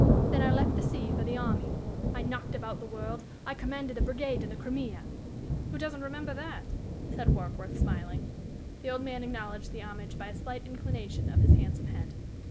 Then I left the sea for the army. I knocked about the world. I commanded a brigade in the Crimea " "Who doesn't remember that?" said Warkworth, smiling. The old man acknowledged the homage by a slight inclination of his handsome head.